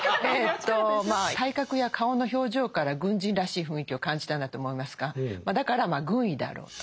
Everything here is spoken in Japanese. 体格や顔の表情から軍人らしい雰囲気を感じたんだと思いますがだからまあ軍医であろうと。